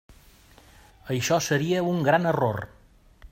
Això seria un gran error.